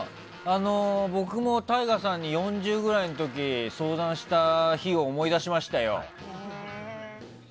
僕もＴＡＩＧＡさんに４０ぐらいの時相談した日を思い出しましたよ。